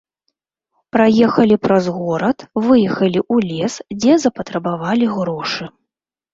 Праехалі праз горад, выехалі ў лес, дзе запатрабавалі грошы.